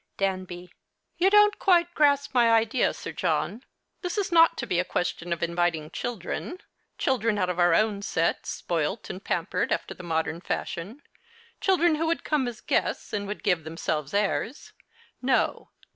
Danby. You don't quite grasp my idea, 8ir John. This is not to be a question of inviting children — children out of our own set, spoilt and pampered after the modern fashion, children who would cojne as guests and would give themselves airs. No.